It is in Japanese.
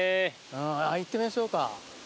行ってみましょうか。